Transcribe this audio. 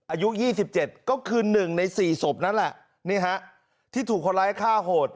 อายุ๒๗ก็คือ๑ใน๔ศพนั่นแหละนี่ฮะที่ถูกคนร้ายฆ่าโหด